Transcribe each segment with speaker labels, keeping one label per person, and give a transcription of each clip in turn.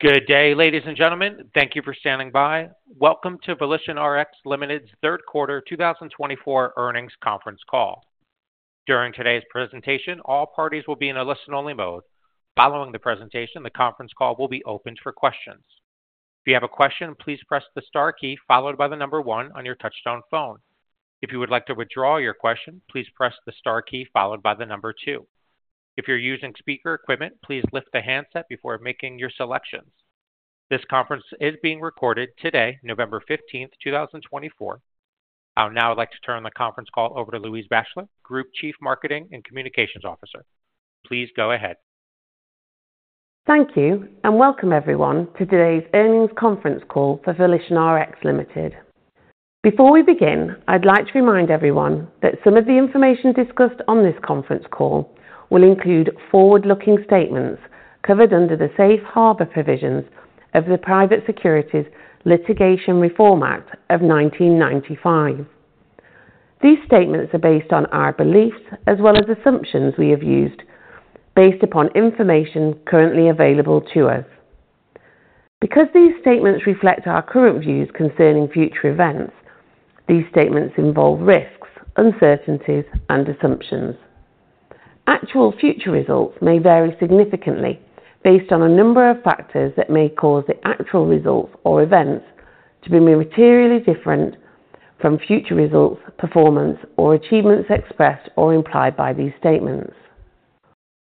Speaker 1: Good day, ladies and gentlemen. Thank you for standing by. Welcome to VolitionRX Limited's Q3 2024 Earnings Conference Call. During today's presentation, all parties will be in a listen-only mode. Following the presentation, the conference call will be opened for questions. If you have a question, please press the star key followed by the number one on your touch-tone phone. If you would like to withdraw your question, please press the star key followed by the number two. If you're using speaker equipment, please lift the handset before making your selections. This conference is being recorded today, November 15th, 2024. I would now like to turn the conference call over to Louise Batchelor, Group Chief Marketing and Communications Officer. Please go ahead.
Speaker 2: Thank you and welcome everyone to today's earnings conference call for VolitionRX Limited. Before we begin, I'd like to remind everyone that some of the information discussed on this conference call will include forward-looking statements covered under the safe harbor provisions of the Private Securities Litigation Reform Act of 1995. These statements are based on our beliefs as well as assumptions we have used based upon information currently available to us. Because these statements reflect our current views concerning future events, these statements involve risks, uncertainties, and assumptions. Actual future results may vary significantly based on a number of factors that may cause the actual results or events to be materially different from future results, performance, or achievements expressed or implied by these statements.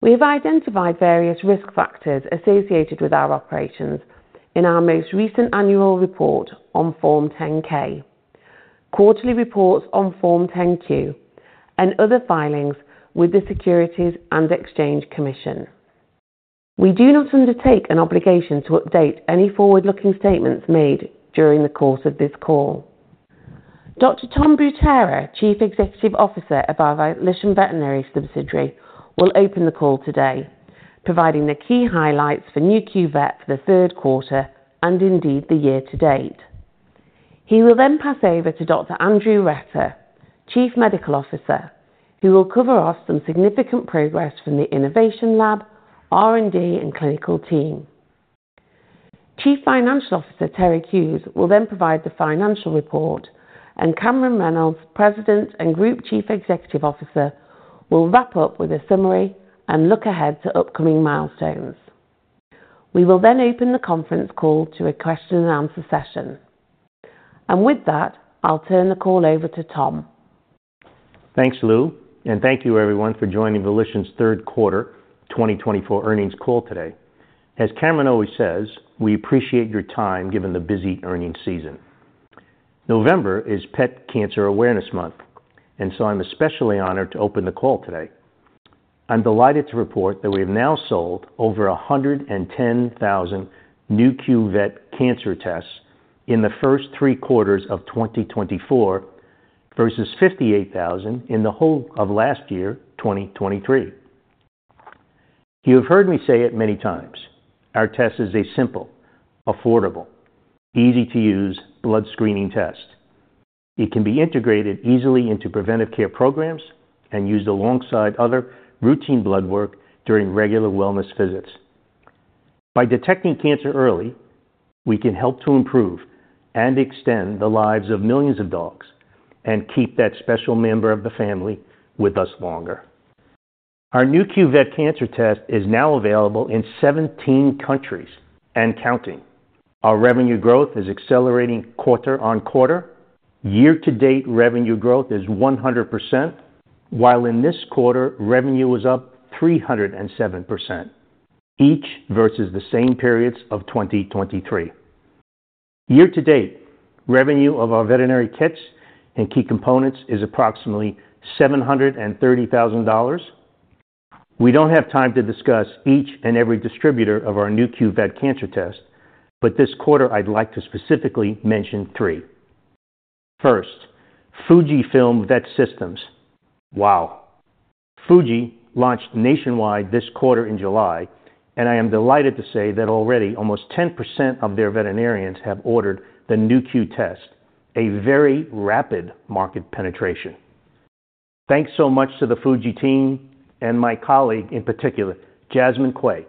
Speaker 2: We have identified various risk factors associated with our operations in our most recent annual report on Form 10-K, quarterly reports on Form 10-Q, and other filings with the Securities and Exchange Commission. We do not undertake an obligation to update any forward-looking statements made during the course of this call. Dr. Tom Butera, Chief Executive Officer of our Volition Veterinary subsidiary, will open the call today, providing the key highlights for Nu.Q Vet for the Q3 and indeed the year to date. He will then pass over to Dr. Andrew Retter, Chief Medical Officer, who will cover some significant progress from the innovation lab, R&D, and clinical team. Chief Financial Officer Terig Hughes will then provide the financial report, and Cameron Reynolds, President and Group Chief Executive Officer, will wrap up with a summary and look ahead to upcoming milestones. We will then open the conference call to a question-and-answer session. And with that, I'll turn the call over to Tom.
Speaker 3: Thanks, Lou, and thank you everyone for joining Volition's Q3 2024 earnings call today. As Cameron always says, we appreciate your time given the busy earnings season. November is Pet Cancer Awareness Month, and so I'm especially honored to open the call today. I'm delighted to report that we have now sold over 110,000 Nu.Q Vet Cancer Tests in the first three quarters of 2024 versus 58,000 in the whole of last year, 2023. You have heard me say it many times. Our test is a simple, affordable, easy-to-use blood screening test. It can be integrated easily into preventive care programs and used alongside other routine blood work during regular wellness visits. By detecting cancer early, we can help to improve and extend the lives of millions of dogs and keep that special member of the family with us longer. Our Nu.Q Vet Cancer Test is now available in 17 countries and counting. Our revenue growth is accelerating quarter on quarter. Year-to-date revenue growth is 100%, while in this quarter, revenue was up 307%, each versus the same periods of 2023. Year-to-date, revenue of our veterinary kits and key components is approximately $730,000. We don't have time to discuss each and every distributor of our Nu.Q Vet Cancer Test, but this quarter, I'd like to specifically mention three. First, Fujifilm Vet Systems. Wow. Fuji launched nationwide this quarter in July, and I am delighted to say that already almost 10% of their veterinarians have ordered the Nu.Q test, a very rapid market penetration. Thanks so much to the Fuji team and my colleague in particular, Jasmine Kway,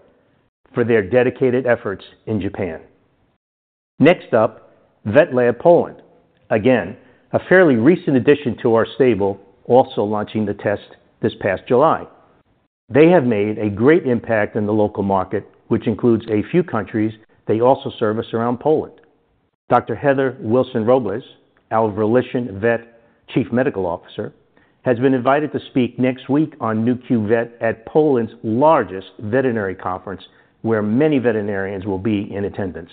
Speaker 3: for their dedicated efforts in Japan. Next up, Vetlab Poland. Again, a fairly recent addition to our stable, also launching the test this past July. They have made a great impact in the local market, which includes a few countries they also service around Poland. Dr. Heather Wilson-Robles, our Volition Veterinary Chief Medical Officer, has been invited to speak next week on Nu.Q Vet at Poland's largest veterinary conference, where many veterinarians will be in attendance.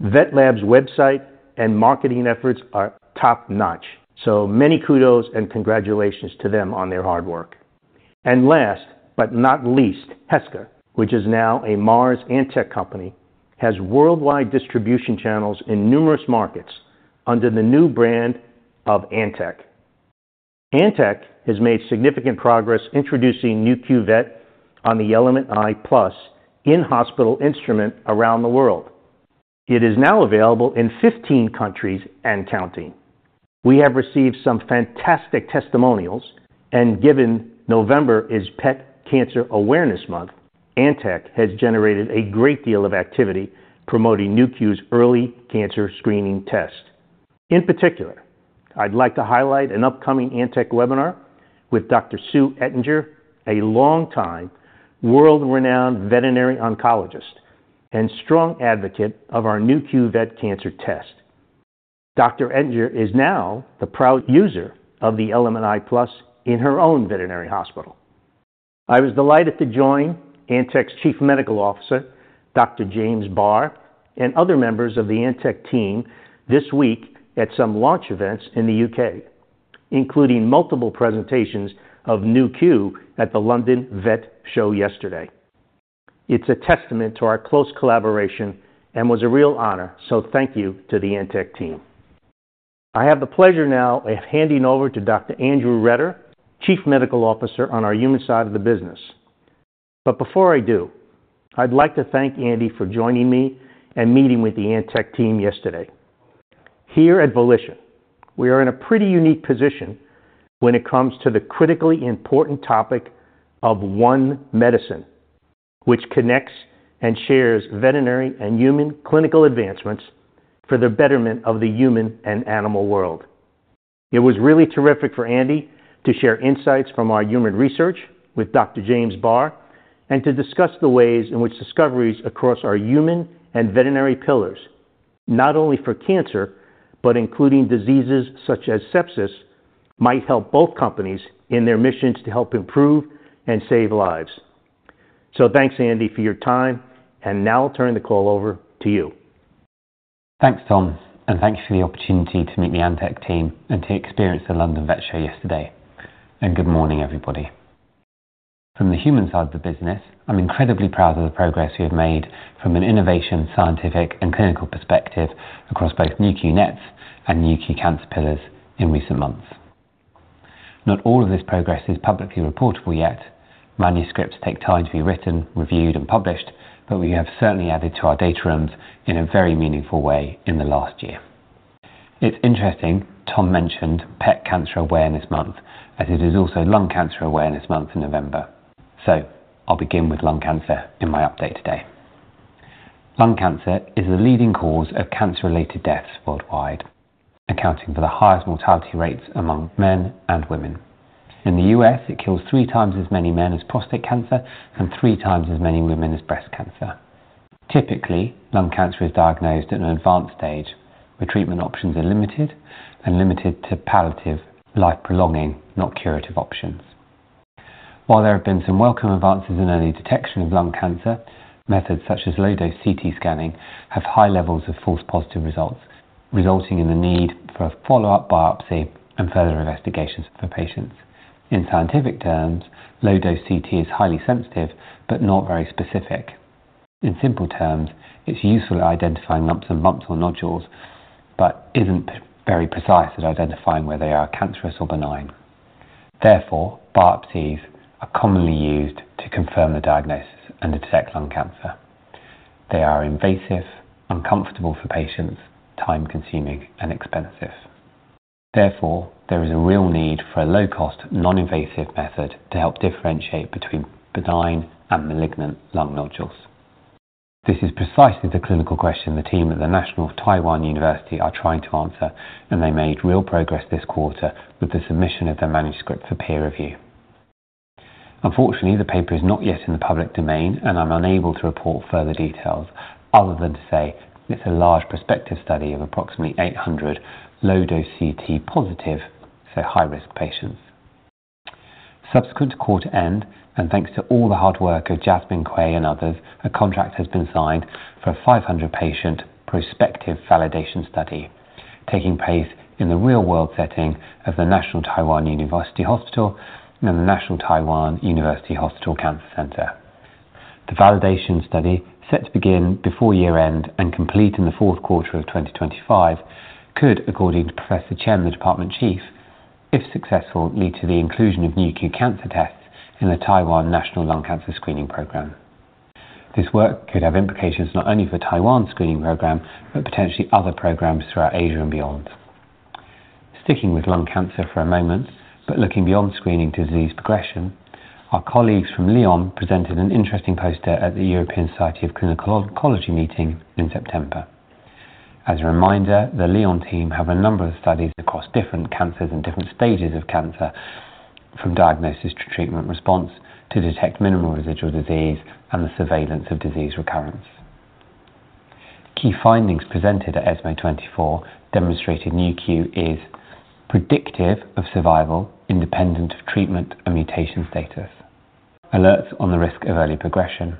Speaker 3: Vetlab's website and marketing efforts are top-notch, so many kudos and congratulations to them on their hard work. And last but not least, Heska, which is now a Mars Antech company, has worldwide distribution channels in numerous markets under the new brand of Antech. Antech has made significant progress introducing Nu.Q Vet on the Element i+ in-hospital instrument around the world. It is now available in 15 countries and counting. We have received some fantastic testimonials, and given November is Pet Cancer Awareness Month, Antech has generated a great deal of activity promoting Nu.Q's early cancer screening test. In particular, I'd like to highlight an upcoming Antech webinar with Dr. Sue Ettinger, a longtime world-renowned veterinary oncologist and strong advocate of our Nu.Q Vet cancer test. Dr. Ettinger is now the proud user of the Element i+ in her own veterinary hospital. I was delighted to join Antech's Chief Medical Officer, Dr. James Barr, and other members of the Antech team this week at some launch events in the U.K., including multiple presentations of Nu.Q at the London Vet Show yesterday. It's a testament to our close collaboration and was a real honor, so thank you to the Antech team. I have the pleasure now of handing over to Dr. Andrew Retter, Chief Medical Officer on our human side of the business, but before I do, I'd like to thank Andy for joining me and meeting with the Antech team yesterday. Here at Volition, we are in a pretty unique position when it comes to the critically important topic of one medicine, which connects and shares veterinary and human clinical advancements for the betterment of the human and animal world. It was really terrific for Andy to share insights from our human research with Dr. James Barr and to discuss the ways in which discoveries across our human and veterinary pillars, not only for cancer, but including diseases such as sepsis, might help both companies in their missions to help improve and save lives, so thanks, Andy, for your time, and now I'll turn the call over to you.
Speaker 4: Thanks, Tom, and thank you for the opportunity to meet the Antech team and to experience the London Vet Show yesterday. Good morning, everybody. From the human side of the business, I'm incredibly proud of the progress we have made from an innovation, scientific, and clinical perspective across both Nu.Q NETs and Nu.Q cancer pillars in recent months. Not all of this progress is publicly reportable yet. Manuscripts take time to be written, reviewed and published, but we have certainly added to our data rooms in a very meaningful way in the last year. It's interesting Tom mentioned Pet Cancer Awareness Month as it is also Lung Cancer Awareness Month in November. I'll begin with lung cancer in my update today. Lung cancer is the leading cause of cancer-related deaths worldwide, accounting for the highest mortality rates among men and women. In the U.S., it kills three times as many men as prostate cancer and three times as many women as breast cancer. Typically, lung cancer is diagnosed at an advanced stage, where treatment options are limited to palliative, life-prolonging, not curative options. While there have been some welcome advances in early detection of lung cancer, methods such as low-dose CT scanning have high levels of false positive results, resulting in the need for a follow-up biopsy and further investigations for patients. In scientific terms, low-dose CT is highly sensitive but not very specific. In simple terms, it's useful at identifying lumps or nodules but isn't very precise at identifying whether they are cancerous or benign. Therefore, biopsies are commonly used to confirm the diagnosis and to detect lung cancer. They are invasive, uncomfortable for patients, time-consuming, and expensive. Therefore, there is a real need for a low-cost, non-invasive method to help differentiate between benign and malignant lung nodules. This is precisely the clinical question the team at the National Taiwan University are trying to answer, and they made real progress this quarter with the submission of their manuscript for peer review. Unfortunately, the paper is not yet in the public domain, and I'm unable to report further details other than to say it's a large prospective study of approximately 800 low-dose CT-positive, so high-risk patients. Subsequent to quarter end, and thanks to all the hard work of Jasmine Quay and others, a contract has been signed for a 500-patient prospective validation study taking place in the real-world setting of the National Taiwan University Hospital and the National Taiwan University Cancer Center. The validation study, set to begin before year-end and complete in the Q4 of 2025, could, according to Professor Chen, the department chief, if successful, lead to the inclusion of Nu.Q Cancer Tests in the Taiwan National Lung Cancer Screening Program. This work could have implications not only for the Taiwan screening program, but potentially other programs throughout Asia and beyond. Sticking with lung cancer for a moment, but looking beyond screening disease progression, our colleagues from Lyon presented an interesting poster at the European Society for Medical Oncology meeting in September. As a reminder, the Lyon team have a number of studies across different cancers and different stages of cancer, from diagnosis to treatment response to detect minimal residual disease and the surveillance of disease recurrence. Key findings presented at ESMO 2024 demonstrated Nu.Q is predictive of survival, independent of treatment and mutation status, alerts on the risk of early progression,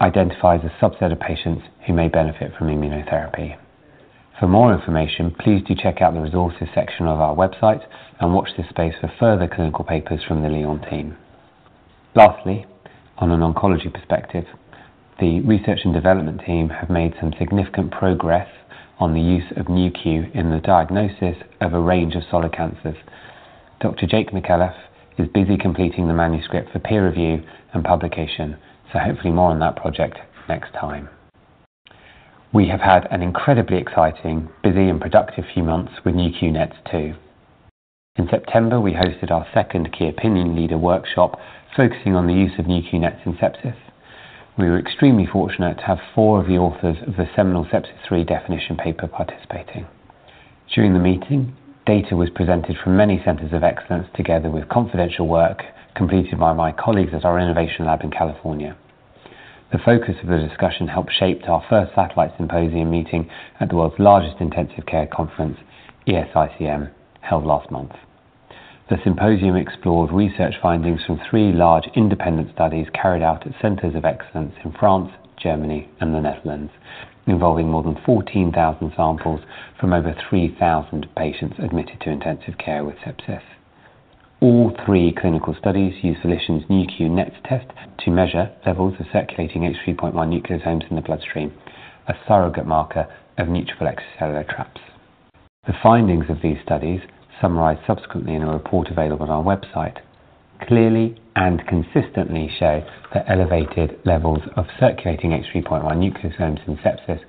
Speaker 4: identifies a subset of patients who may benefit from immunotherapy. For more information, please do check out the resources section of our website and watch this space for further clinical papers from the Lyon team. Lastly, on an oncology perspective, the research and development team have made some significant progress on the use of Nu.Q in the diagnosis of a range of solid cancers. Dr. Jake McAuliffe is busy completing the manuscript for peer review and publication, so hopefully more on that project next time. We have had an incredibly exciting, busy, and productive few months with Nu.Q NETs too. In September, we hosted our second Key Opinion Leader workshop focusing on the use of Nu.Q NETs in sepsis. We were extremely fortunate to have four of the authors of the Sepsis-3 definition paper participating. During the meeting, data was presented from many centers of excellence together with confidential work completed by my colleagues at our innovation lab in California. The focus of the discussion helped shape our first satellite symposium meeting at the world's largest intensive care conference, ESICM, held last month. The symposium explored research findings from three large independent studies carried out at centers of excellence in France, Germany, and the Netherlands, involving more than 14,000 samples from over 3,000 patients admitted to intensive care with sepsis. All three clinical studies used Volition's Nu.Q NETs test to measure levels of circulating H3.1 nucleosomes in the bloodstream, a surrogate marker of neutrophil extracellular traps. The findings of these studies, summarized subsequently in a report available on our website, clearly and consistently show that elevated levels of circulating H3.1 nucleosomes in sepsis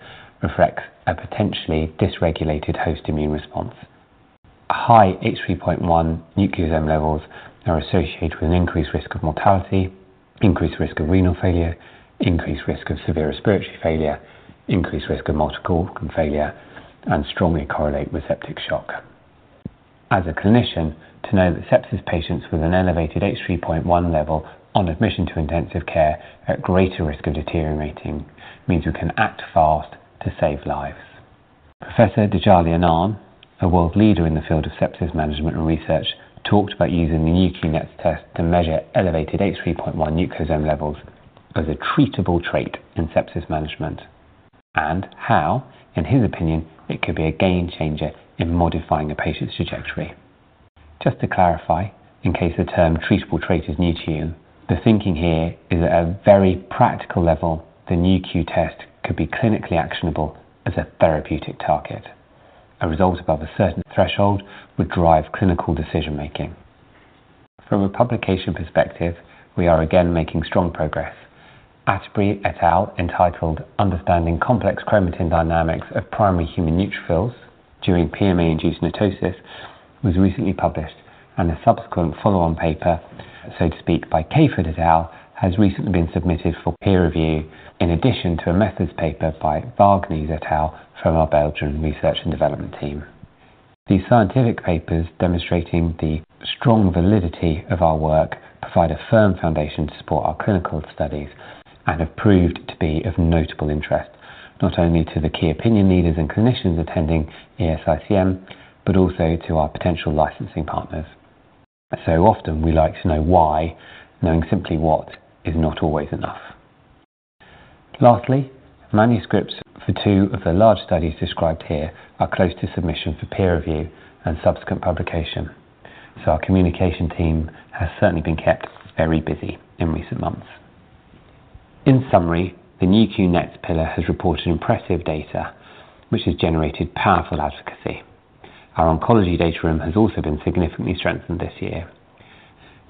Speaker 4: reflects a potentially dysregulated host immune response. High H3.1 nucleosome levels are associated with an increased risk of mortality, increased risk of renal failure, increased risk of severe respiratory failure, increased risk of multiple organ failure, and strongly correlate with septic shock. As a clinician, to know that sepsis patients with an elevated H3.1 level on admission to intensive care at greater risk of deteriorating means we can act fast to save lives. Professor Djillali Annane, a world leader in the field of sepsis management and research, talked about using the Nu.Q NETs test to measure elevated H3.1 nucleosome levels as a treatable trait in sepsis management and how, in his opinion, it could be a game changer in modifying a patient's trajectory. Just to clarify, in case the term treatable trait is new to you, the thinking here is that at a very practical level, the Nu.Q test could be clinically actionable as a therapeutic target. A result above a certain threshold would drive clinical decision-making. From a publication perspective, we are again making strong progress. Atteberry et al., entitled "Understanding Complex Chromatin Dynamics of Primary Human Neutrophils During PMA-Induced NETosis," was recently published, and a subsequent follow-on paper, so to speak, by Caffert et al. has recently been submitted for peer review, in addition to a methods paper by Wargnies et al. from our Belgian research and development team. These scientific papers, demonstrating the strong validity of our work, provide a firm foundation to support our clinical studies and have proved to be of notable interest, not only to the key opinion leaders and clinicians attending ESICM, but also to our potential licensing partners. So often we like to know why, knowing simply what is not always enough. Lastly, manuscripts for two of the large studies described here are close to submission for peer review and subsequent publication, so our communication team has certainly been kept very busy in recent months. In summary, the Nu.Q NETs pillar has reported impressive data, which has generated powerful advocacy. Our oncology data room has also been significantly strengthened this year.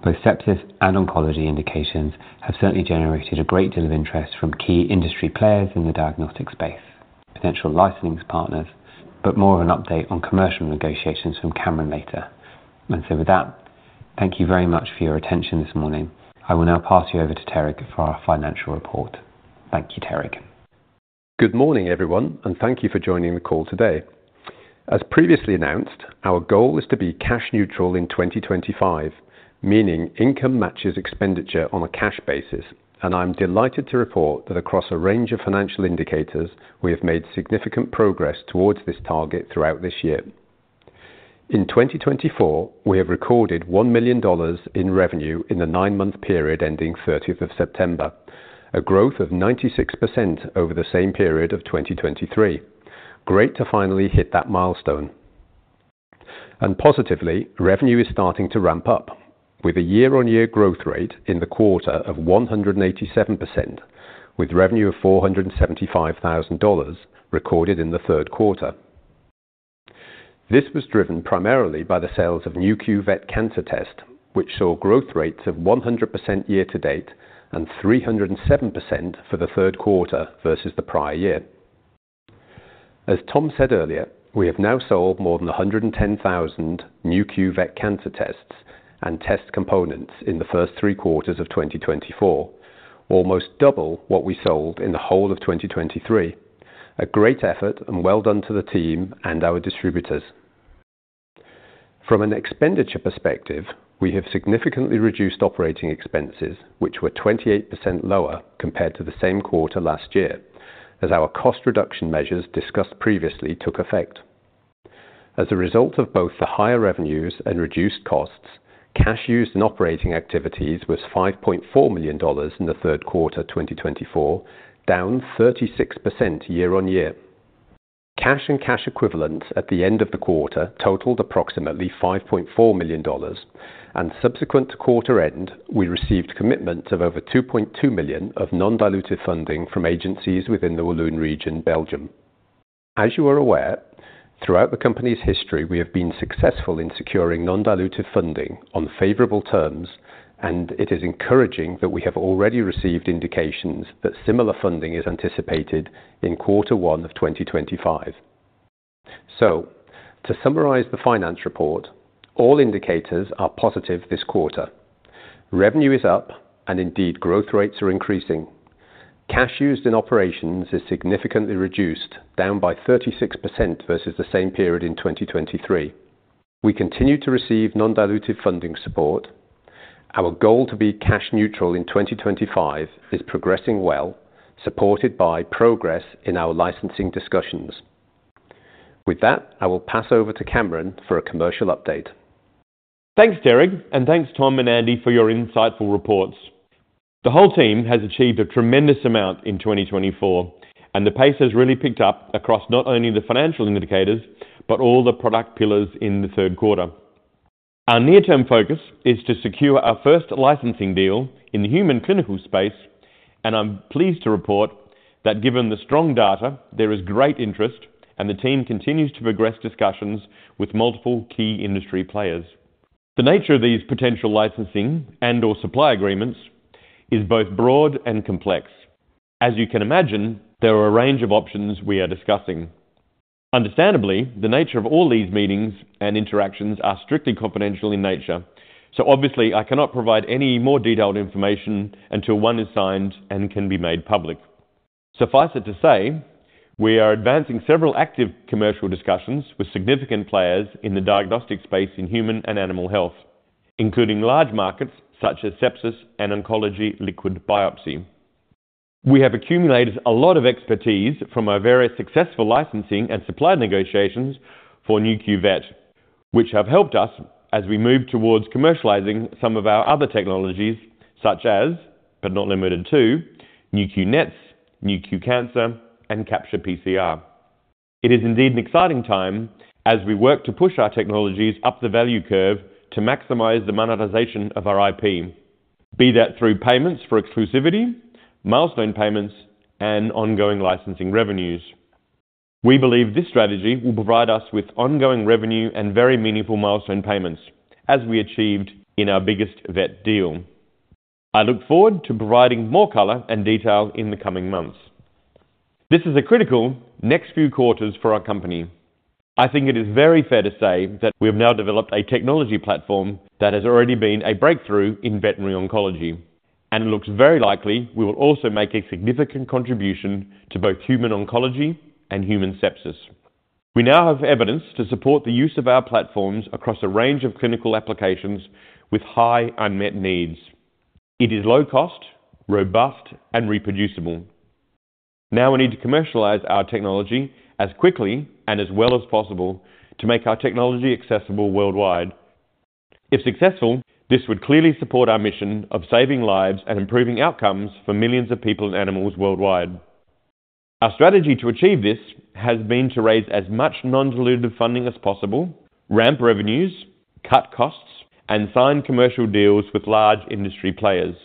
Speaker 4: Both sepsis and oncology indications have certainly generated a great deal of interest from key industry players in the diagnostic space, potential licensing partners, but more of an update on commercial negotiations from Cameron later. And so with that, thank you very much for your attention this morning. I will now pass you over to Terig for our financial report. Thank you, Terig.
Speaker 5: Good morning, everyone, and thank you for joining the call today. As previously announced, our goal is to be cash neutral in 2025, meaning income matches expenditure on a cash basis, and I'm delighted to report that across a range of financial indicators, we have made significant progress towards this target throughout this year. In 2024, we have recorded $1 million in revenue in the nine-month period ending 30th of September, 2024, a growth of 96% over the same period of 2023. Great to finally hit that milestone, and positively, revenue is starting to ramp up, with a year-on-year growth rate in the quarter of 187%, with revenue of $475,000 recorded in the Q3. This was driven primarily by the sales of Nu.Q Vet Cancer Test, which saw growth rates of 100% year-to-date and 307% for the Q3 versus the prior year. As Tom said earlier, we have now sold more than 110,000 Nu.Q Vet Cancer Tests and test components in the first three quarters of 2024, almost double what we sold in the whole of 2023. A great effort and well done to the team and our distributors. From an expenditure perspective, we have significantly reduced operating expenses, which were 28% lower compared to the same quarter last year, as our cost reduction measures discussed previously took effect. As a result of both the higher revenues and reduced costs, cash used in operating activities was $5.4 million in the Q3 2024, down 36% year-on-year. Cash and cash equivalents at the end of the quarter totaled approximately $5.4 million, and subsequent to quarter end, we received commitments of over $2.2 million of non-dilutive funding from agencies within the Walloon region, Belgium. As you are aware, throughout the company's history, we have been successful in securing non-dilutive funding on favorable terms, and it is encouraging that we have already received indications that similar funding is anticipated in quarter one of 2025. So, to summarize the finance report, all indicators are positive this quarter. Revenue is up, and indeed growth rates are increasing. Cash used in operations is significantly reduced, down by 36% versus the same period in 2023. We continue to receive non-dilutive funding support. Our goal to be cash neutral in 2025 is progressing well, supported by progress in our licensing discussions. With that, I will pass over to Cameron for a commercial update.
Speaker 6: Thanks, Terig, and thanks, Tom and Andy, for your insightful reports. The whole team has achieved a tremendous amount in 2024, and the pace has really picked up across not only the financial indicators, but all the product pillars in the Q3. Our near-term focus is to secure our first licensing deal in the human clinical space, and I'm pleased to report that given the strong data, there is great interest, and the team continues to progress discussions with multiple key industry players. The nature of these potential licensing and/or supply agreements is both broad and complex. As you can imagine, there are a range of options we are discussing. Understandably, the nature of all these meetings and interactions are strictly confidential in nature, so obviously, I cannot provide any more detailed information until one is signed and can be made public. Suffice it to say, we are advancing several active commercial discussions with significant players in the diagnostic space in human and animal health, including large markets such as sepsis and oncology liquid biopsy. We have accumulated a lot of expertise from our various successful licensing and supply negotiations for Nu.Q Vet, which have helped us as we move towards commercializing some of our other technologies, such as, but not limited to, Nu.Q NETs, Nu.Q Cancer, and Capture PCR. It is indeed an exciting time as we work to push our technologies up the value curve to maximize the monetization of our IP, be that through payments for exclusivity, milestone payments, and ongoing licensing revenues. We believe this strategy will provide us with ongoing revenue and very meaningful milestone payments, as we achieved in our biggest vet deal. I look forward to providing more color and detail in the coming months. This is a critical next few quarters for our company. I think it is very fair to say that we have now developed a technology platform that has already been a breakthrough in veterinary oncology, and it looks very likely we will also make a significant contribution to both human oncology and human sepsis. We now have evidence to support the use of our platforms across a range of clinical applications with high unmet needs. It is low cost, robust, and reproducible. Now we need to commercialize our technology as quickly and as well as possible to make our technology accessible worldwide. If successful, this would clearly support our mission of saving lives and improving outcomes for millions of people and animals worldwide. Our strategy to achieve this has been to raise as much non-dilutive funding as possible, ramp revenues, cut costs, and sign commercial deals with large industry players.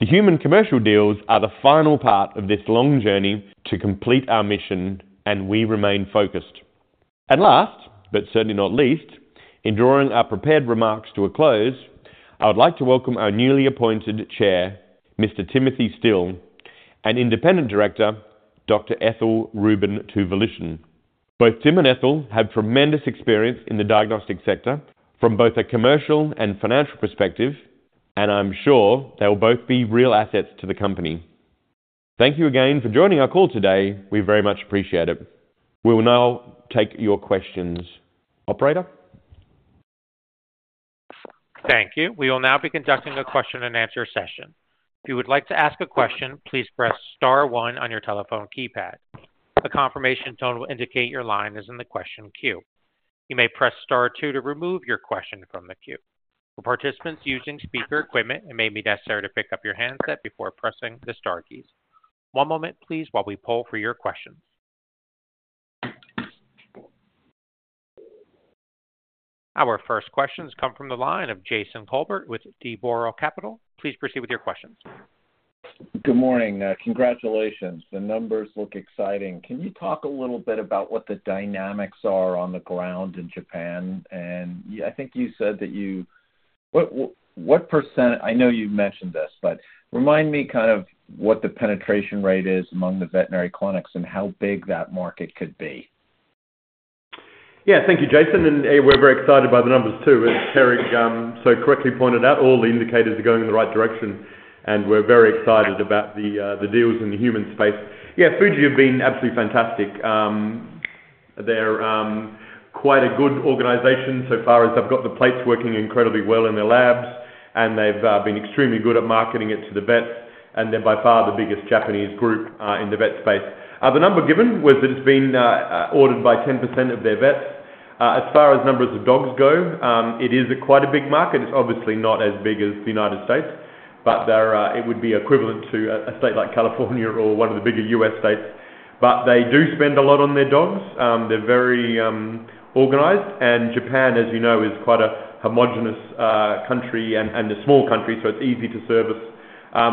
Speaker 6: The human commercial deals are the final part of this long journey to complete our mission, and we remain focused, and last, but certainly not least, in drawing our prepared remarks to a close, I would like to welcome our newly appointed Chair, Mr. Timothy Still, and independent Director, Dr. Ethel Rubin to Volition. Both Tim and Ethel have tremendous experience in the diagnostic sector from both a commercial and financial perspective, and I'm sure they will both be real assets to the company. Thank you again for joining our call today. We very much appreciate it. We will now take your questions. Operator.
Speaker 1: Thank you. We will now be conducting a question-and-answer session. If you would like to ask a question, please press star one on your telephone keypad. A confirmation tone will indicate your line is in the question queue. You may press star two to remove your question from the queue. For participants using speaker equipment, it may be necessary to pick up your handset before pressing the Star keys. One moment, please, while we pull for your questions. Our first questions come from the line of Jason Kolbert with D. Boral Capital. Please proceed with your questions.
Speaker 7: Good morning. Congratulations. The numbers look exciting. Can you talk a little bit about what the dynamics are on the ground in Japan? And I think you said that you—what percent? I know you mentioned this, but remind me kind of what the penetration rate is among the veterinary clinics and how big that market could be?
Speaker 6: Yeah, thank you, Jason. We're very excited by the numbers too. As Terig so correctly pointed out, all the indicators are going in the right direction, and we're very excited about the deals in the human space. Yeah, Fuji have been absolutely fantastic. They're quite a good organization so far as I've got the plates working incredibly well in their labs, and they've been extremely good at marketing it to the vets, and they're by far the biggest Japanese group in the vet space. The number given was that it's been ordered by 10% of their vets. As far as numbers of dogs go, it is quite a big market. It's obviously not as big as the United States, but it would be equivalent to a state like California or one of the bigger U.S. states. But they do spend a lot on their dogs. They're very organized, and Japan, as you know, is quite a homogeneous country and a small country, so it's easy to service.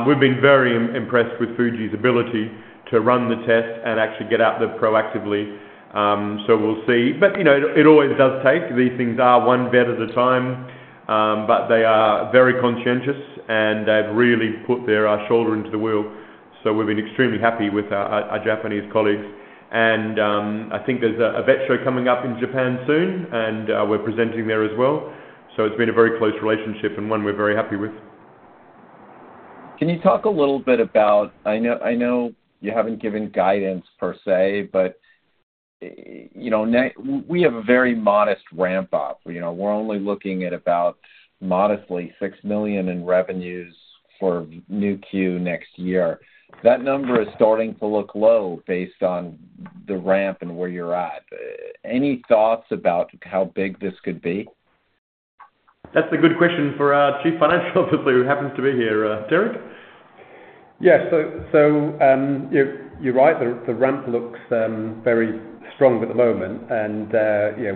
Speaker 6: We've been very impressed with Fuji's ability to run the test and actually get out there proactively, so we'll see, but it always does take, these things are one vet at a time, but they are very conscientious, and they've really put their shoulder into the wheel, so we've been extremely happy with our Japanese colleagues, and I think there's a vet show coming up in Japan soon, and we're presenting there as well, so it's been a very close relationship and one we're very happy with.
Speaker 7: Can you talk a little bit about, I know you haven't given guidance per se, but we have a very modest ramp-up. We're only looking at about modestly $6 million in revenues for Nu.Q next year. That number is starting to look low based on the ramp and where you're at. Any thoughts about how big this could be?
Speaker 6: That's a good question for our Chief Financial Officer who happens to be here. Terig?
Speaker 5: Yeah. So you're right. The ramp looks very strong at the moment, and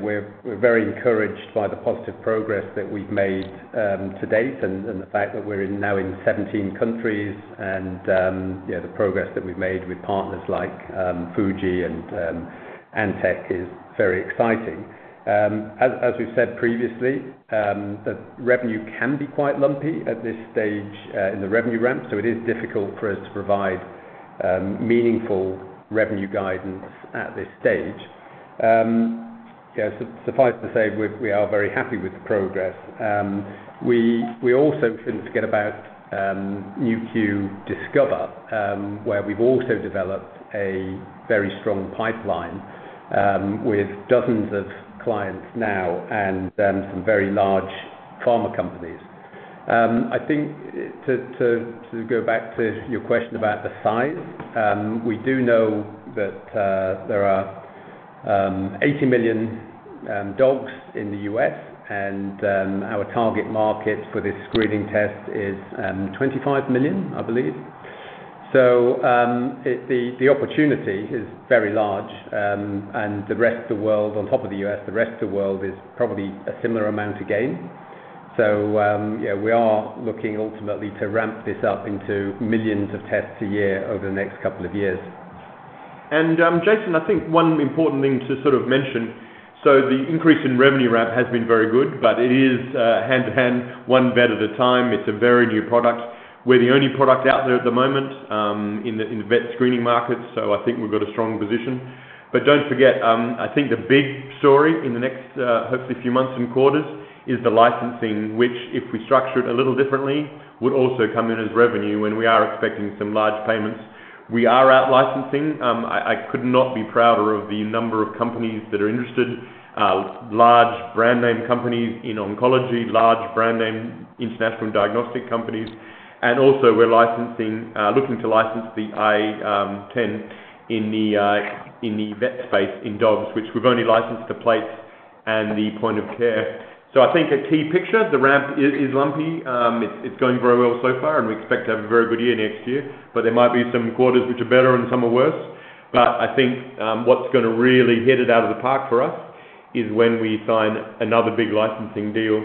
Speaker 5: we're very encouraged by the positive progress that we've made to date and the fact that we're now in 17 countries, and the progress that we've made with partners like Fuji and Antech is very exciting. As we've said previously, the revenue can be quite lumpy at this stage in the revenue ramp, so it is difficult for us to provide meaningful revenue guidance at this stage. Suffice to say, we are very happy with the progress. We also didn't forget about Nu.Q Discover, where we've also developed a very strong pipeline with dozens of clients now and some very large pharma companies. I think to go back to your question about the size, we do know that there are 80 million dogs in the U.S., and our target market for this screening test is 25 million, I believe, so the opportunity is very large, and the rest of the world, on top of the U.S., the rest of the world is probably a similar amount again, so we are looking ultimately to ramp this up into millions of tests a year over the next couple of years.
Speaker 6: And Jason, I think one important thing to sort of mention. So the increase in revenue ramp has been very good, but it is hand in hand, one vet at a time. It's a very new product. We're the only product out there at the moment in the vet screening market, so I think we've got a strong position. But don't forget, I think the big story in the next hopefully few months and quarters is the licensing, which if we structured a little differently, would also come in as revenue when we are expecting some large payments. We are out licensing. I could not be prouder of the number of companies that are interested, large brand name companies in oncology, large brand name international diagnostic companies. And also, we're looking to license the i10 in the vet space in dogs, which we've only licensed the plates and the point of care. So I think a key picture, the ramp is lumpy. It's going very well so far, and we expect to have a very good year next year, but there might be some quarters which are better and some are worse. But I think what's going to really hit it out of the park for us is when we sign another big licensing deal.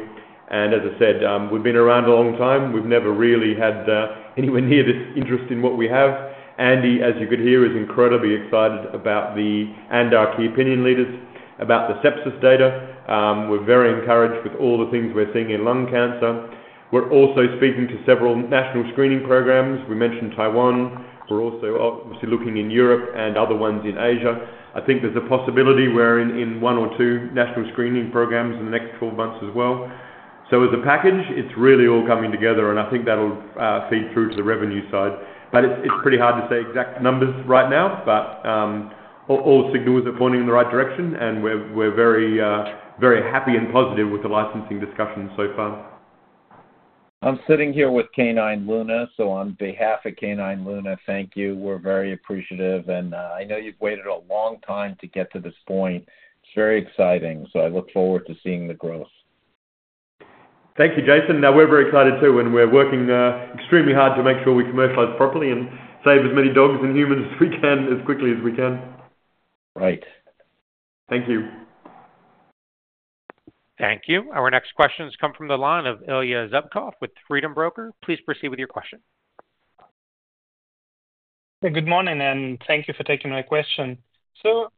Speaker 6: And as I said, we've been around a long time. We've never really had anywhere near this interest in what we have. Andy, as you could hear, is incredibly excited about the, and our key opinion leaders about the sepsis data. We're very encouraged with all the things we're seeing in lung cancer. We're also speaking to several national screening programs. We mentioned Taiwan. We're also obviously looking in Europe and other ones in Asia. I think there's a possibility we're in one or two national screening programs in the next 12 months as well, so as a package, it's really all coming together, and I think that'll feed through to the revenue side, but it's pretty hard to say exact numbers right now, but all signals are pointing in the right direction, and we're very happy and positive with the licensing discussion so far.
Speaker 7: I'm sitting here with Canine Luna, so on behalf of Canine Luna, thank you. We're very appreciative, and I know you've waited a long time to get to this point. It's very exciting, so I look forward to seeing the growth.
Speaker 6: Thank you, Jason. We're very excited too, and we're working extremely hard to make sure we commercialize properly and save as many dogs and humans as we can as quickly as we can.
Speaker 7: Right.
Speaker 6: Thank you.
Speaker 1: Thank you. Our next questions come from the line of Ilya Zubkov with Freedom Broker. Please proceed with your question.
Speaker 8: Good morning, and thank you for taking my question. So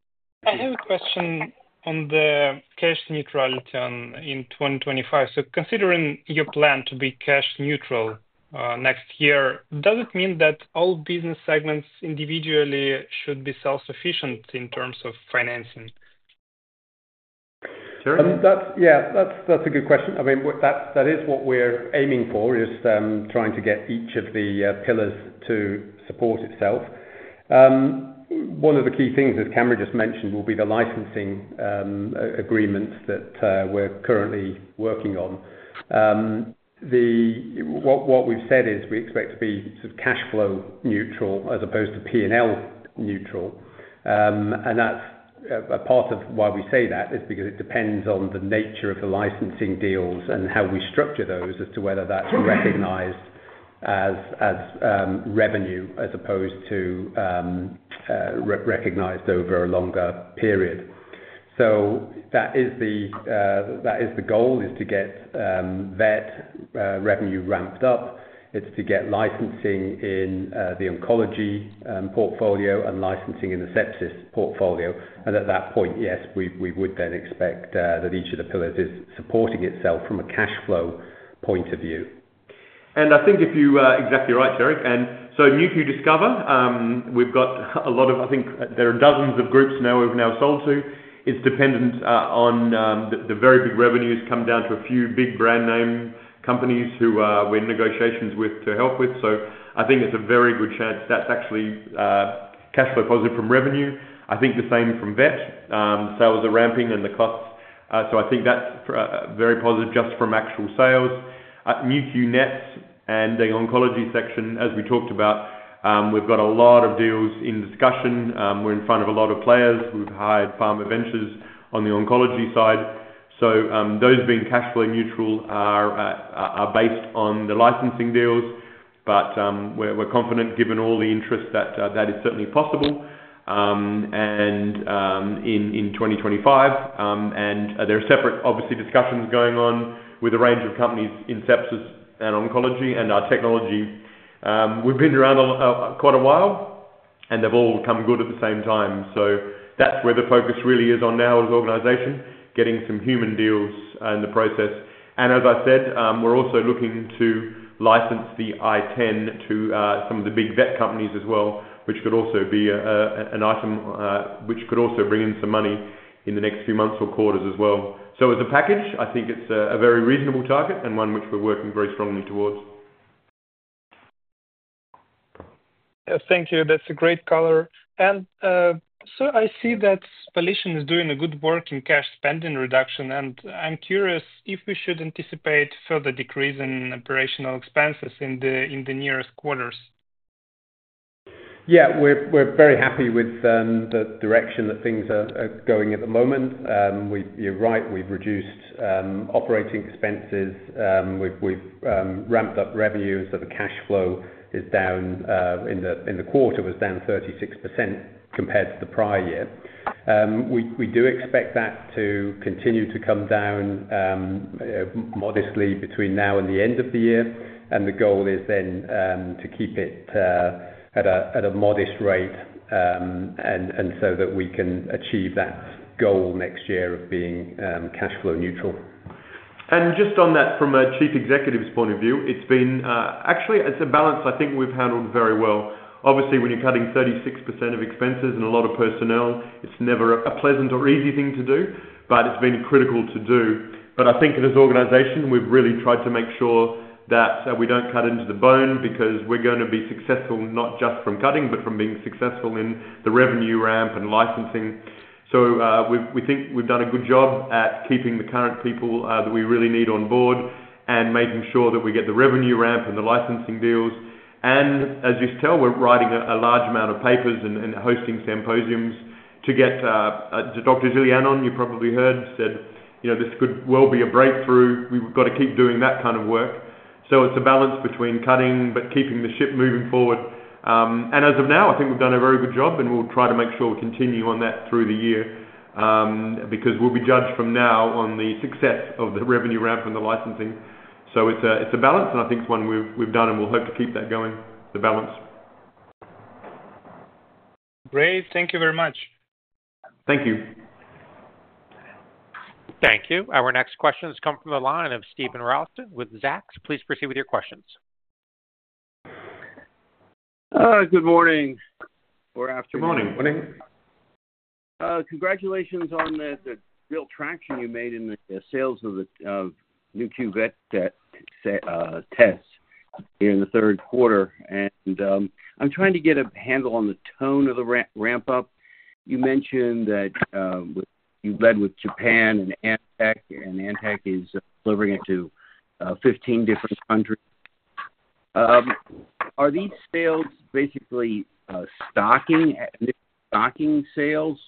Speaker 8: I have a question on the cash neutrality in 2025. So considering your plan to be cash neutral next year, does it mean that all business segments individually should be self-sufficient in terms of financing?
Speaker 5: Yeah, that's a good question. I mean, that is what we're aiming for, is trying to get each of the pillars to support itself. One of the key things, as Cameron just mentioned, will be the licensing agreements that we're currently working on. What we've said is we expect to be sort of cash flow neutral as opposed to P&L neutral, and that's a part of why we say that is because it depends on the nature of the licensing deals and how we structure those as to whether that's recognized as revenue as opposed to recognized over a longer period, so that is the goal, is to get vet revenue ramped up. It's to get licensing in the oncology portfolio and licensing in the sepsis portfolio. At that point, yes, we would then expect that each of the pillars is supporting itself from a cash flow point of view.
Speaker 6: I think you're exactly right, Terig. So Nu.Q Discover, we've got a lot of. I think there are dozens of groups now we've sold to. It's dependent on the very big revenues come down to a few big brand name companies who we're in negotiations with to help with. So I think it's a very good chance. That's actually cash flow positive from revenue. I think the same from vet. Sales are ramping and the costs. So I think that's very positive just from actual sales. Nu.Q NETs and the oncology section, as we talked about, we've got a lot of deals in discussion. We're in front of a lot of players. We've hired PharmaVentures on the oncology side. So those being cash flow neutral are based on the licensing deals, but we're confident given all the interest that that is certainly possible in 2025. And there are separate, obviously, discussions going on with a range of companies in sepsis and oncology and our technology. We've been around quite a while, and they've all come good at the same time. So that's where the focus really is on now as an organization, getting some human deals in the process. And as I said, we're also looking to license the i10 to some of the big vet companies as well, which could also be an item which could also bring in some money in the next few months or quarters as well. So as a package, I think it's a very reasonable target and one which we're working very strongly towards.
Speaker 8: Thank you. That's a great color. And so I see that Volition is doing a good work in cash spending reduction, and I'm curious if we should anticipate further decrease in operational expenses in the nearest quarters?
Speaker 5: Yeah, we're very happy with the direction that things are going at the moment. You're right. We've reduced operating expenses. We've ramped up revenue, and so the cash flow is down. In the quarter, it was down 36% compared to the prior year. We do expect that to continue to come down modestly between now and the end of the year, and the goal is then to keep it at a modest rate and so that we can achieve that goal next year of being cash flow neutral.
Speaker 6: And just on that, from a chief executive's point of view, it's been actually a balance I think we've handled very well. Obviously, when you're cutting 36% of expenses and a lot of personnel, it's never a pleasant or easy thing to do, but it's been critical to do. But I think as an organization, we've really tried to make sure that we don't cut into the bone because we're going to be successful not just from cutting, but from being successful in the revenue ramp and licensing. So we think we've done a good job at keeping the current people that we really need on board and making sure that we get the revenue ramp and the licensing deals. And as you tell, we're writing a large amount of papers and hosting symposiums to get Dr. Zilyanon, you probably heard, said, "This could well be a breakthrough. We've got to keep doing that kind of work." So it's a balance between cutting but keeping the ship moving forward. And as of now, I think we've done a very good job, and we'll try to make sure we continue on that through the year because we'll be judged from now on the success of the revenue ramp and the licensing. So it's a balance, and I think it's one we've done, and we'll hope to keep that going, the balance.
Speaker 8: Great. Thank you very much.
Speaker 6: Thank you.
Speaker 1: Thank you. Our next questions come from the line of Steven Ralston with Zacks. Please proceed with your questions.
Speaker 9: Good morning or afternoon.
Speaker 6: Good morning.
Speaker 9: Congratulations on the real traction you made in the sales of Nu.Q Vet Tests here in the Q3, and I'm trying to get a handle on the tone of the ramp-up. You mentioned that you've led with Japan and Antech, and Antech is delivering it to 15 different countries. Are these sales basically stocking sales,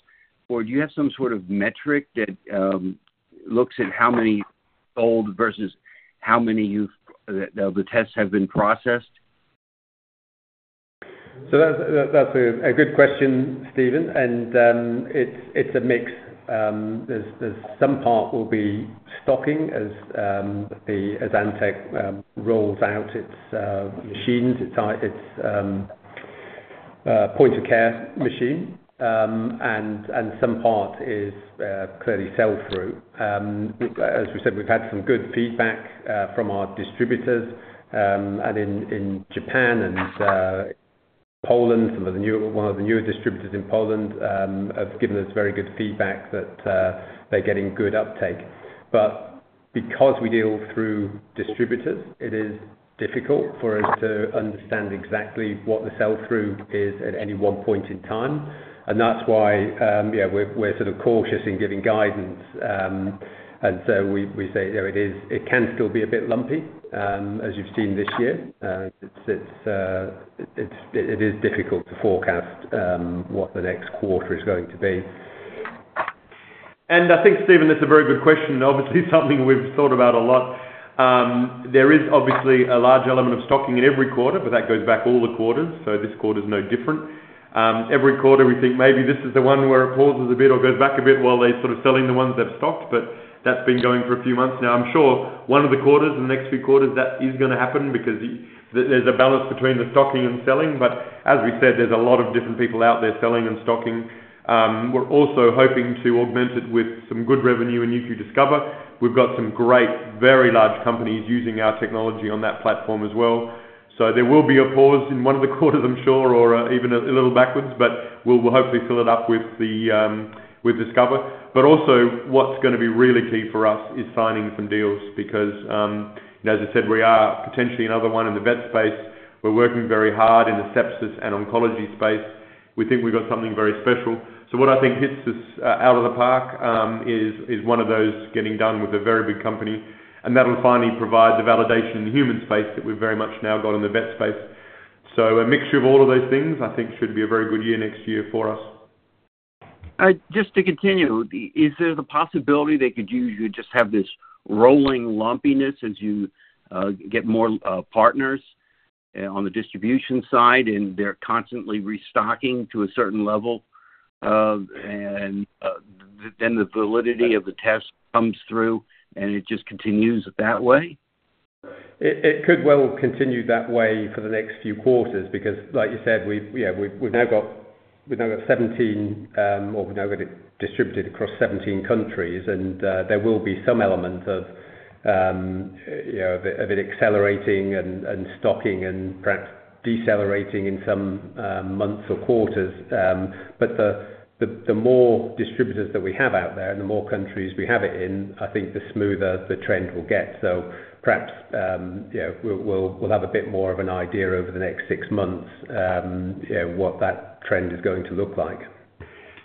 Speaker 9: or do you have some sort of metric that looks at how many sold versus how many of the tests have been processed?
Speaker 5: So that's a good question, Steven, and it's a mix. There's some part will be stocking as Antech rolls out its machines, its point of care machine, and some part is clearly sell-through. As we said, we've had some good feedback from our distributors in Japan and Poland. One of the newer distributors in Poland has given us very good feedback that they're getting good uptake. But because we deal through distributors, it is difficult for us to understand exactly what the sell-through is at any one point in time. And that's why we're sort of cautious in giving guidance. And so we say it can still be a bit lumpy, as you've seen this year. It is difficult to forecast what the next quarter is going to be.
Speaker 6: And I think, Steven, that's a very good question. Obviously, it's something we've thought about a lot. There is obviously a large element of stocking in every quarter, but that goes back all the quarters, so this quarter is no different. Every quarter, we think maybe this is the one where it pauses a bit or goes back a bit while they're sort of selling the ones they've stocked. But that's been going for a few months now. I'm sure one of the quarters, in the next few quarters, that is going to happen because there's a balance between the stocking and selling. But as we said, there's a lot of different people out there selling and stocking. We're also hoping to augment it with some good revenue in Nu.Q Discover. We've got some great, very large companies using our technology on that platform as well. So there will be a pause in one of the quarters, I'm sure, or even a little backwards, but we'll hopefully fill it up with Discover. But also, what's going to be really key for us is signing some deals because, as I said, we are potentially another one in the vet space. We're working very hard in the sepsis and oncology space. We think we've got something very special. So what I think hits us out of the park is one of those getting done with a very big company. And that'll finally provide the validation in the human space that we've very much now got in the vet space. So a mixture of all of those things, I think, should be a very good year next year for us.
Speaker 9: Just to continue, is there the possibility they could just have this rolling lumpiness as you get more partners on the distribution side and they're constantly restocking to a certain level, and then the validity of the test comes through, and it just continues that way?
Speaker 5: It could well continue that way for the next few quarters because, like you said, we've now got 17, or we've now got it distributed across 17 countries, and there will be some element of it accelerating and stocking and perhaps decelerating in some months or quarters, but the more distributors that we have out there and the more countries we have it in, I think the smoother the trend will get, so perhaps we'll have a bit more of an idea over the next six months what that trend is going to look like.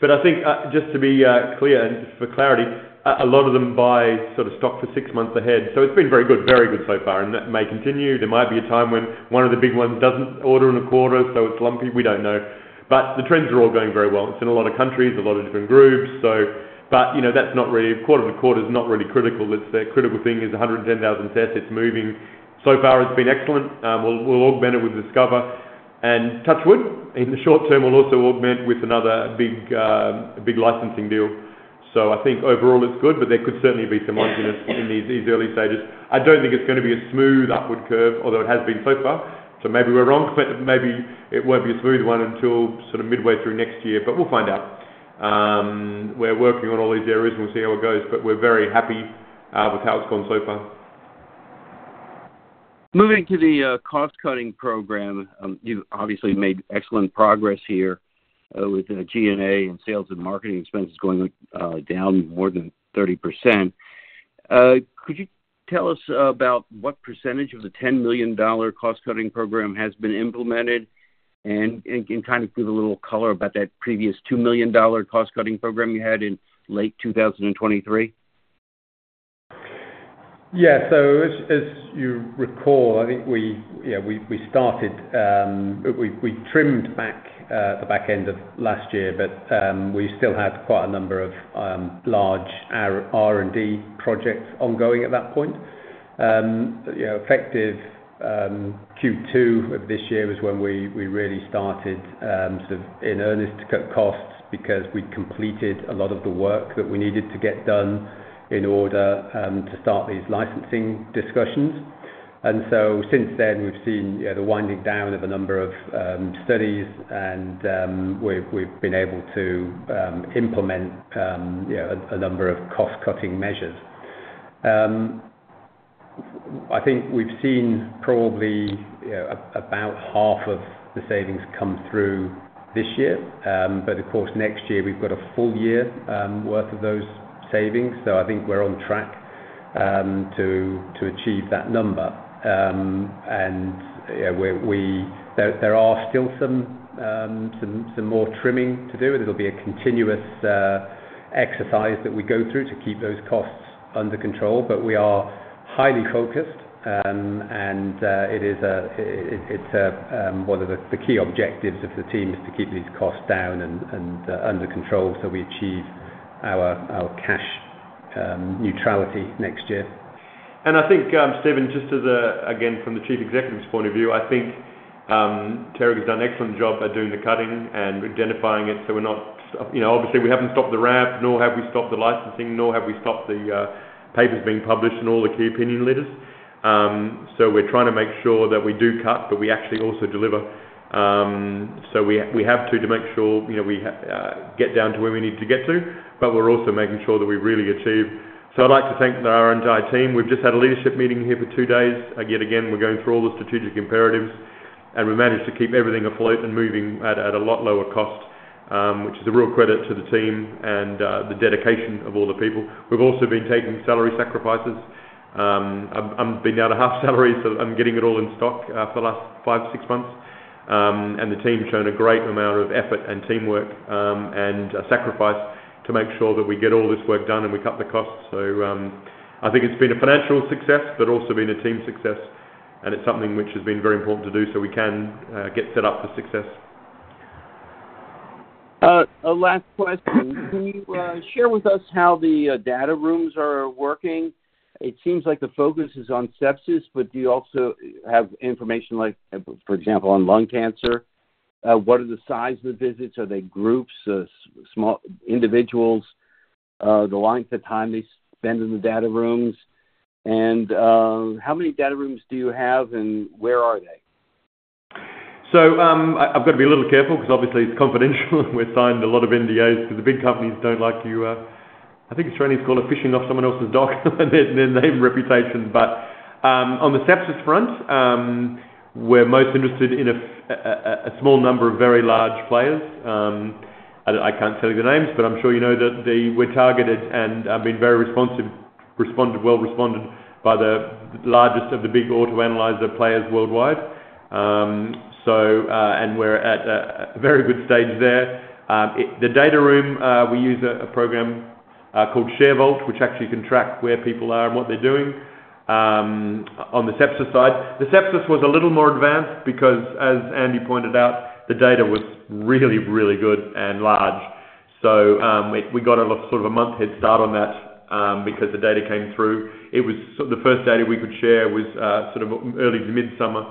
Speaker 6: But I think, just to be clear and for clarity, a lot of them buy sort of stock for six months ahead. So it's been very good, very good so far, and that may continue. There might be a time when one of the big ones doesn't order in a quarter, so it's lumpy. We don't know. But the trends are all going very well. It's in a lot of countries, a lot of different groups. But that's not really a quarter-to-quarter is not really critical. The critical thing is 110,000 tests. It's moving. So far, it's been excellent. We'll augment it with Discover. And touch wood, in the short term, we'll also augment with another big licensing deal. So I think overall, it's good, but there could certainly be some lumpiness in these early stages. I don't think it's going to be a smooth upward curve, although it has been so far, so maybe we're wrong. Maybe it won't be a smooth one until sort of midway through next year, but we'll find out. We're working on all these areas, and we'll see how it goes, but we're very happy with how it's gone so far.
Speaker 9: Moving to the cost-cutting program, you've obviously made excellent progress here with G&A and sales and marketing expenses going down more than 30%. Could you tell us about what percentage of the $10 million cost-cutting program has been implemented and kind of give a little color about that previous $2 million cost-cutting program you had in late 2023?
Speaker 5: Yeah. So as you recall, I think we started. We trimmed back at the back end of last year, but we still had quite a number of large R&D projects ongoing at that point. Effective Q2 of this year was when we really started sort of in earnest to cut costs because we completed a lot of the work that we needed to get done in order to start these licensing discussions. And so since then, we've seen the winding down of a number of studies, and we've been able to implement a number of cost-cutting measures. I think we've seen probably about half of the savings come through this year. But of course, next year, we've got a full year worth of those savings. So I think we're on track to achieve that number. There are still some more trimming to do, and it'll be a continuous exercise that we go through to keep those costs under control. We are highly focused, and it's one of the key objectives of the team is to keep these costs down and under control so we achieve our cash neutrality next year.
Speaker 6: I think, Steven, just again from the Chief Executive's point of view, I think Terig has done an excellent job at doing the cutting and identifying it. So we're not obviously, we haven't stopped the ramp, nor have we stopped the licensing, nor have we stopped the papers being published and all the key opinion leaders. So we're trying to make sure that we do cut, but we actually also deliver. So we have to make sure we get down to where we need to get to, but we're also making sure that we really achieve. So I'd like to thank our entire team. We've just had a leadership meeting here for two days. Yet again, we're going through all the strategic imperatives, and we managed to keep everything afloat and moving at a lot lower cost, which is a real credit to the team and the dedication of all the people. We've also been taking salary sacrifices. I've been down to half salaries, so I'm getting it all in stock for the last five, six months, and the team has shown a great amount of effort and teamwork and sacrifice to make sure that we get all this work done and we cut the costs, so I think it's been a financial success, but also been a team success, and it's something which has been very important to do so we can get set up for success.
Speaker 9: Last question. Can you share with us how the data rooms are working? It seems like the focus is on sepsis, but do you also have information, for example, on lung cancer? What are the size of the visits? Are they groups, individuals, the length of time they spend in the data rooms? And how many data rooms do you have, and where are they?
Speaker 6: So I've got to be a little careful because, obviously, it's confidential, and we're signed a lot of NDAs because the big companies don't like you, I think Australia's called it fishing off someone else's dock and their name reputation. But on the sepsis front, we're most interested in a small number of very large players. I can't tell you the names, but I'm sure you know that we're targeted and have been very responsive, well responded by the largest of the big auto analyzer players worldwide. And we're at a very good stage there. The data room, we use a program called ShareVault, which actually can track where people are and what they're doing on the sepsis side. The sepsis was a little more advanced because, as Andy pointed out, the data was really, really good and large. So we got sort of a month head start on that because the data came through. It was the first data we could share was sort of early to mid-summer.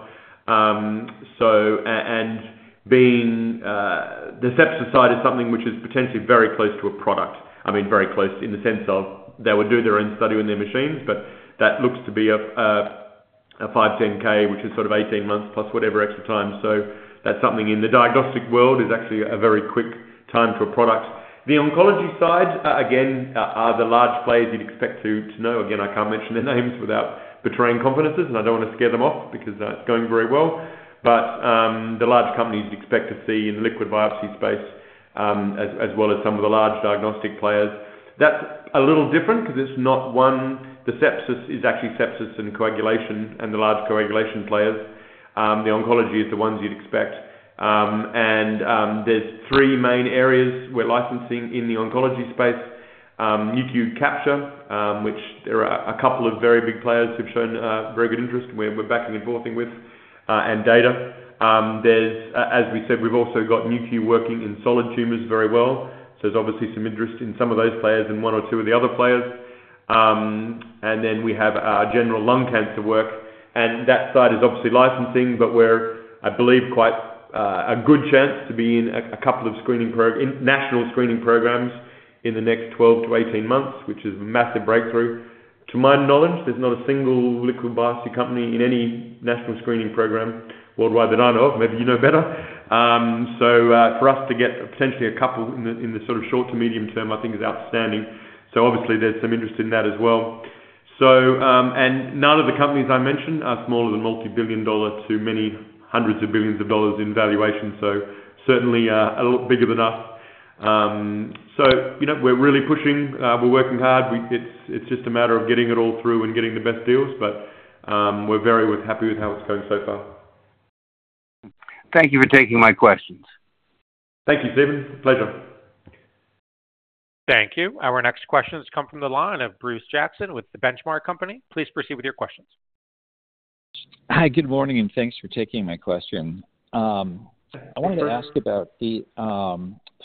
Speaker 6: And the sepsis side is something which is potentially very close to a product. I mean, very close in the sense of they would do their own study on their machines, but that looks to be a 510(k), which is sort of 18 months plus whatever extra time. So that's something in the diagnostic world is actually a very quick time to a product. The oncology side, again, are the large players you'd expect to know. Again, I can't mention their names without betraying confidences, and I don't want to scare them off because it's going very well. But the large companies you'd expect to see in the liquid biopsy space, as well as some of the large diagnostic players. That's a little different because it's not one. The sepsis is actually sepsis and coagulation and the large coagulation players. The oncology is the ones you'd expect. And there's three main areas we're licensing in the oncology space: Nu.Q Capture, which there are a couple of very big players who've shown very good interest and we're backing and forthing with, and Nu.Q Discover. As we said, we've also got Nu.Q working in solid tumors very well. So there's obviously some interest in some of those players and one or two of the other players. And then we have general lung cancer work. And that side is obviously licensing, but we're, I believe, quite a good chance to be in a couple of national screening programs in the next 12 months-18 months, which is a massive breakthrough. To my knowledge, there's not a single liquid biopsy company in any national screening program worldwide that I know of. Maybe you know better? So for us to get potentially a couple in the sort of short to medium term, I think, is outstanding. So obviously, there's some interest in that as well. And none of the companies I mentioned are smaller than multi-billion dollar to many hundreds of billions of dollars in valuation. So certainly a little bigger than us. So we're really pushing. We're working hard. It's just a matter of getting it all through and getting the best deals. But we're very happy with how it's going so far.
Speaker 9: Thank you for taking my questions.
Speaker 6: Thank you, Steven. Pleasure.
Speaker 1: Thank you. Our next question has come from the line of Bruce Jackson with The Benchmark Company. Please proceed with your questions.
Speaker 10: Hi, good morning, and thanks for taking my question. I wanted to ask about the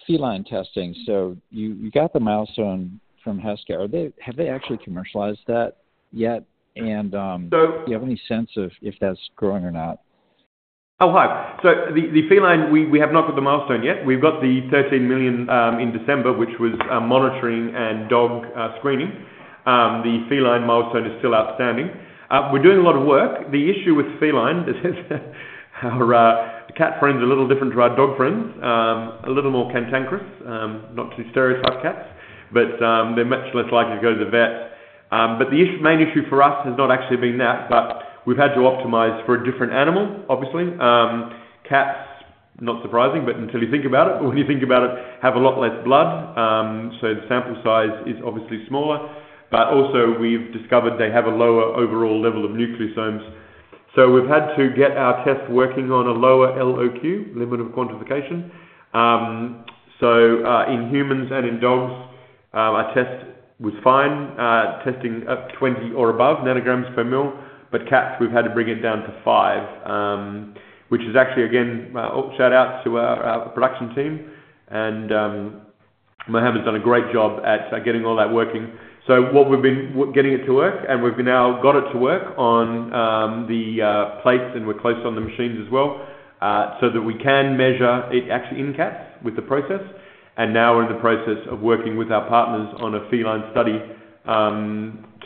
Speaker 10: feline testing. So you got the milestone from Heska. Have they actually commercialized that yet? And do you have any sense of if that's growing or not?
Speaker 6: Oh, hi. So the feline, we have not got the milestone yet. We've got the $13 million in December, which was monitoring and dog screening. The feline milestone is still outstanding. We're doing a lot of work. The issue with feline, our cat friends, are a little different to our dog friends, a little more cantankerous, not to stereotype cats, but they're much less likely to go to the vet. But the main issue for us has not actually been that, but we've had to optimize for a different animal, obviously. Cats, not surprising, but until you think about it, but when you think about it, have a lot less blood. So the sample size is obviously smaller. But also, we've discovered they have a lower overall level of nucleosomes. So we've had to get our test working on a lower LOQ, limit of quantification. So in humans and in dogs, our test was fine, testing at 20 or above nanograms per mL. But cats, we've had to bring it down to five, which is actually, again, shout out to our production team. And Mohamed has done a great job at getting all that working. So we've been getting it to work, and we've now got it to work on the plates, and we're close on the machines as well so that we can measure it actually in cats with the process. And now we're in the process of working with our partners on a feline study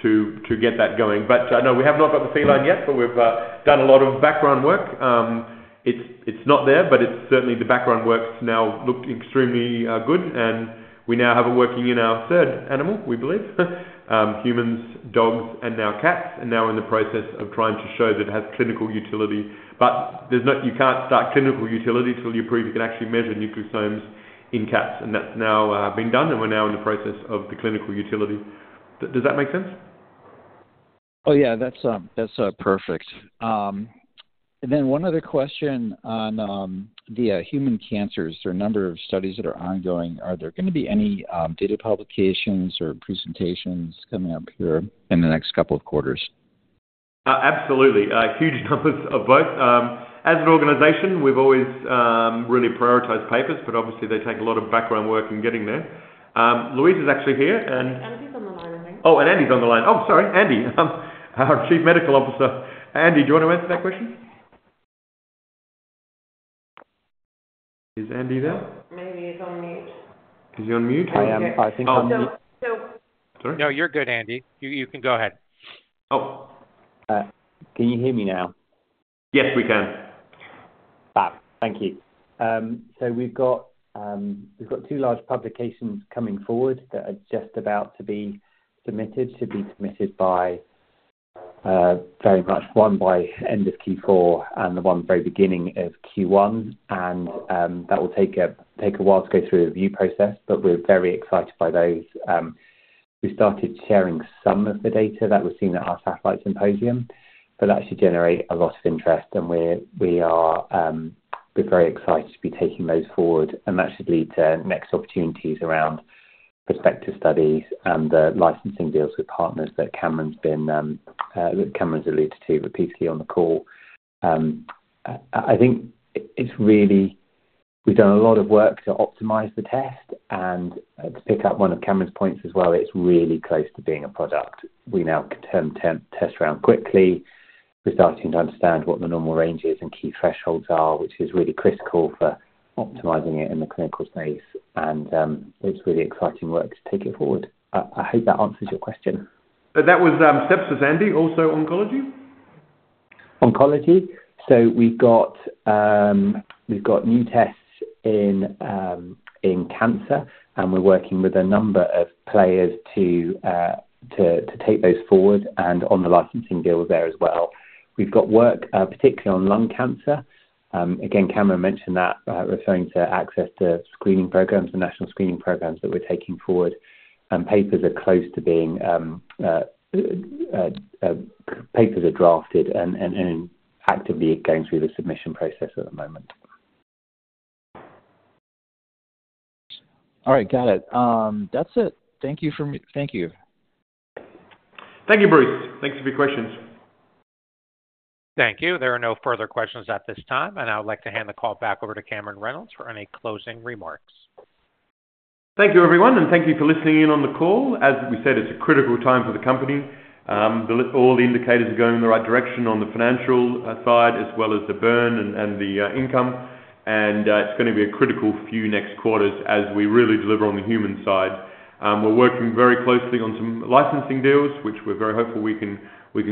Speaker 6: to get that going. But I know we have not got the feline yet, but we've done a lot of background work. It's not there, but it's certainly the background work's now looked extremely good. And we now have it working in our third animal, we believe: humans, dogs, and now cats. And now we're in the process of trying to show that it has clinical utility. But you can't start clinical utility until you prove you can actually measure nucleosomes in cats. And that's now been done, and we're now in the process of the clinical utility. Does that make sense?
Speaker 10: Oh, yeah. That's perfect, and then one other question on the human cancers. There are a number of studies that are ongoing. Are there going to be any data publications or presentations coming up here in the next couple of quarters?
Speaker 6: Absolutely. Huge numbers of both. As an organization, we've always really prioritized papers, but obviously, they take a lot of background work in getting there. Louise is actually here, and.
Speaker 2: Andy's on the line, I think.
Speaker 6: Oh, and Andy's on the line. Oh, sorry. Andy, our Chief Medical Officer. Andy, do you want to answer that question? Is Andy there?
Speaker 2: Maybe he's on mute.
Speaker 6: Is he on mute?
Speaker 4: I think I'm mute.
Speaker 1: No, you're good, Andy. You can go ahead.
Speaker 4: Oh. Can you hear me now?
Speaker 6: Yes, we can.
Speaker 4: Thank you. So we've got two large publications coming forward that are just about to be submitted, should be submitted by very much one by end of Q4 and the one very beginning of Q1. And that will take a while to go through the review process, but we're very excited by those. We started sharing some of the data that was seen at our satellite symposium, but that should generate a lot of interest. And we're very excited to be taking those forward. And that should lead to next opportunities around prospective studies and the licensing deals with partners that Cameron's alluded to repeatedly on the call. I think we've done a lot of work to optimize the test. And to pick up one of Cameron's points as well, it's really close to being a product. We now can turn tests around quickly. We're starting to understand what the normal range is and key thresholds are, which is really critical for optimizing it in the clinical space. And it's really exciting work to take it forward. I hope that answers your question.
Speaker 6: That was sepsis, Andy. Also oncology?
Speaker 4: Oncology. So we've got new tests in cancer, and we're working with a number of players to take those forward and on the licensing deal there as well. We've got work, particularly on lung cancer. Again, Cameron mentioned that, referring to access to screening programs, the national screening programs that we're taking forward. Papers are close to being drafted and actively going through the submission process at the moment.
Speaker 10: All right. Got it. That's it. Thank you.
Speaker 6: Thank you, Bruce. Thanks for your questions.
Speaker 1: Thank you. There are no further questions at this time, and I would like to hand the call back over to Cameron Reynolds for any closing remarks.
Speaker 6: Thank you, everyone. And thank you for listening in on the call. As we said, it's a critical time for the company. All the indicators are going in the right direction on the financial side, as well as the burn and the income. And it's going to be a critical few next quarters as we really deliver on the human side. We're working very closely on some licensing deals, which we're very hopeful we can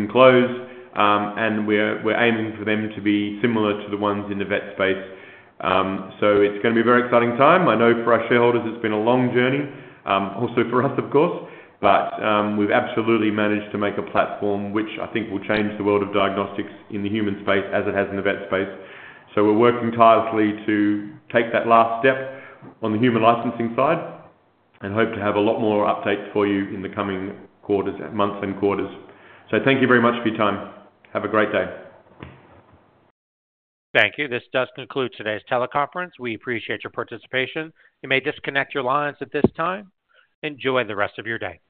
Speaker 6: close. And we're aiming for them to be similar to the ones in the vet space. So it's going to be a very exciting time. I know for our shareholders, it's been a long journey, also for us, of course. But we've absolutely managed to make a platform which I think will change the world of diagnostics in the human space as it has in the vet space. So we're working tirelessly to take that last step on the human licensing side and hope to have a lot more updates for you in the coming months and quarters. So thank you very much for your time. Have a great day.
Speaker 1: Thank you. This does conclude today's teleconference. We appreciate your participation. You may disconnect your lines at this time. Enjoy the rest of your day.